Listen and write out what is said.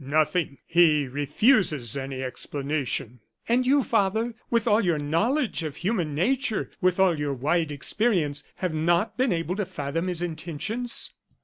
"Nothing; he refuses any explanation." "And you, father, with all your knowledge of human nature, with all your wide experience, have not been able to fathom his intentions?"